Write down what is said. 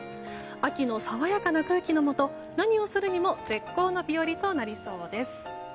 秋のさわやかな空気のもと何をするにも絶好の日和となりそうです。